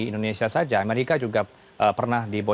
indonesia saja amerika juga pernah melihat data pribadi